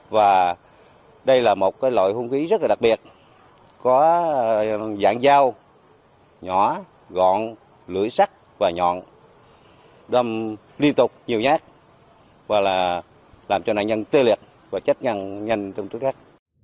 và đây là một loại hung khí rất đặc biệt có dạng dao nhỏ gọn lưỡi sắt và nhọn đâm liên tục nhiều nhát và làm cho nạn nhân tê liệt và chết nhanh trong tức khắc